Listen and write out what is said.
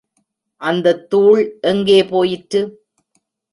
அந்தத் தூள் எங்கே போயிற்று?